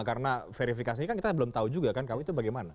karena verifikasi kan kita belum tahu juga kan kalau itu bagaimana